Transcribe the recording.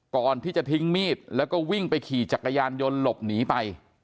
ก่อนที่จะทิ้งมีดแล้วก็วิ่งไปขี่จักรยานยนต์หลบหนีไป